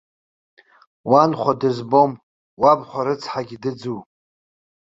Уанхәа дызбом, уабхәа рыцҳагь дыӡу.